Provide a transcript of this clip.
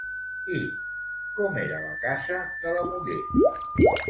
I com era la casa de la muller?